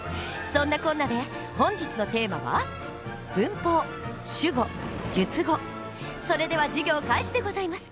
そんなこんなで本日のテーマはそれでは授業開始でございます。